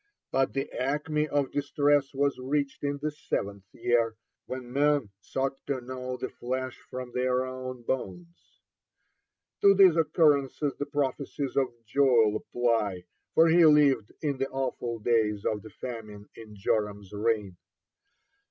But the acme of distress was reached in the seventh year, when men sought to gnaw the flesh from their own bones. (55) To these occurrences the prophecies of Joel apply, for he lived in the awful days of the famine in Joram's reign.